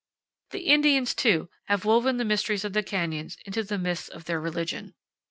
The Indians, too, have woven the mysteries of the canyons into the myths of their religion.